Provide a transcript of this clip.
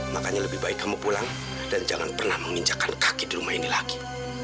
makanya lebih baik kamu pulang dan jangan pernah menginjakan kaki di rumah ini lagi